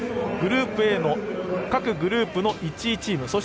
グループＡの各グループの１位チーム。